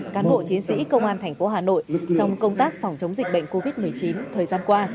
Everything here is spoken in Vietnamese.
cán bộ chiến sĩ công an thành phố hà nội trong công tác phòng chống dịch bệnh covid một mươi chín thời gian qua